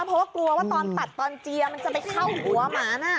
เพราะว่ากลัวว่าตอนตัดตอนเจียมันจะไปเข้าหัวหมาน่ะ